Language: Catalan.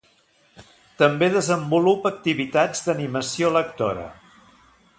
També desenvolupa activitats d'animació lectora.